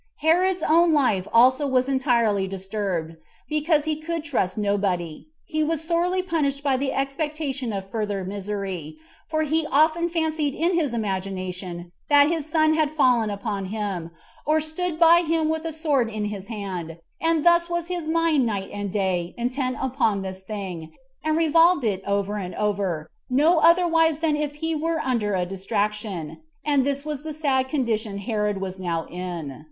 Herod's own life also was entirely disturbed; and because he could trust nobody, he was sorely punished by the expectation of further misery; for he often fancied in his imagination that his son had fallen upon him, or stood by him with a sword in his hand; and thus was his mind night and day intent upon this thing, and revolved it over and over, no otherwise than if he were under a distraction. And this was the sad condition Herod was now in.